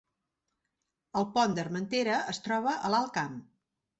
El Pont d’Armentera es troba a l’Alt Camp